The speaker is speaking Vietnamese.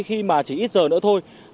khi mà chỉ ít giờ nữa thôi